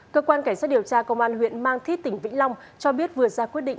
cơ quan cảnh sát điều tra công an huyện mang thít tỉnh vĩnh long cho biết vừa ra quyết định